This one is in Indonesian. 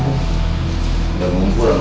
gak usah amu murid